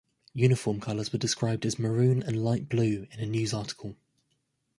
Uniform colors were described as "maroon and light blue" in a news article.